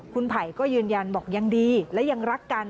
คุณไผ่ก็ยืนยันบอกยังดีและยังรักกัน